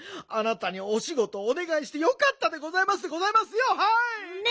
あなたにおしごとをおねがいしてよかったでございますでございますよはい！